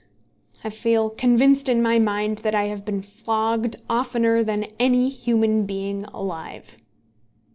I feel convinced in my mind that I have been flogged oftener than any human being alive.